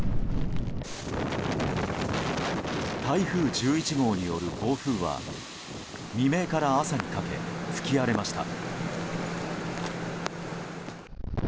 台風１１号による暴風は未明から朝にかけ吹き荒れました。